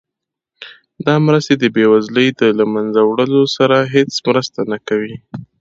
دا مرستې د بیوزلۍ د له مینځه وړلو سره هیڅ مرسته نه کوي.